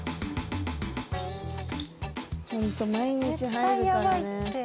ホント毎日入るからね。